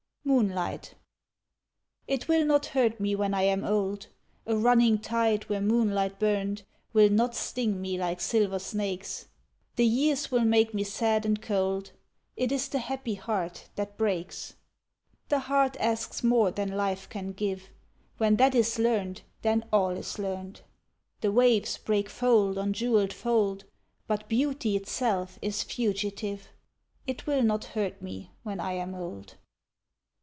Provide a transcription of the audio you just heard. Moonlight It will not hurt me when I am old, A running tide where moonlight burned Will not sting me like silver snakes; The years will make me sad and cold, It is the happy heart that breaks. The heart asks more than life can give, When that is learned, then all is learned; The waves break fold on jewelled fold, But beauty itself is fugitive, It will not hurt me when I am old.